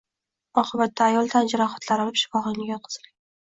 Oqibatda ayol tan jarohati olib, shifoxonaga yotqizilgan